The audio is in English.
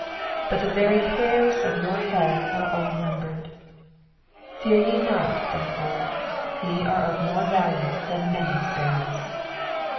80 But the very hairs of your head are all numbered. 81 Fear ye not therefore, ye are of more value than many sparrows.